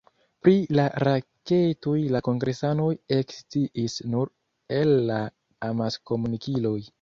Pri la raketoj la kongresanoj eksciis nur el la amaskomunikiloj.